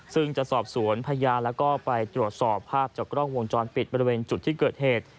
ซึ่งจะสอบสวนพยานแล้วก็ไปตรวจสอบภาพจากกล้องวงจรปิดบริเวณจุดที่เกิดเหตุ